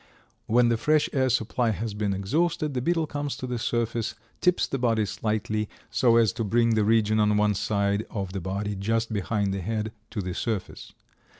When the fresh air supply has been exhausted the beetle comes to the surface, tips the body slightly, so as to bring the region on one side of the body just behind the head, to the surface.